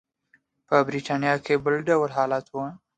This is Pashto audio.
په برېټانیا کې بل ډول حالت و.